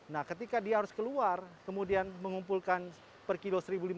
nah ketika dia harus keluar kemudian mengumpulkan per kilo satu lima ratus